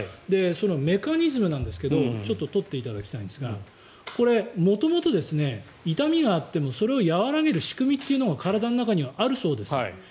メカニズムなんですけどちょっと撮っていただきたいんですがこれ、元々、痛みがあってもそれを和らげる仕組みというのが体の中にはあるそうです。